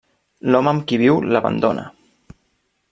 L'home amb qui viu l'abandona.